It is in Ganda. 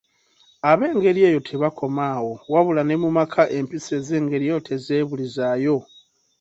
Ab'engeri eyo tebakoma awo, wabula ne mu maka empisa ez'engeri eyo tezeebulizaayo.